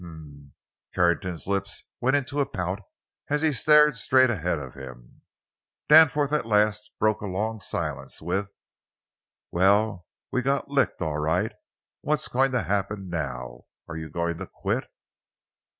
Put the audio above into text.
"H m!" Carrington's lips went into a pout as he stared straight ahead of him. Danforth at last broke a long silence with: "Well, we got licked, all right. What's going to happen now? Are you going to quit?"